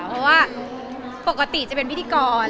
เพราะว่าปกติจะเป็นพิธีกร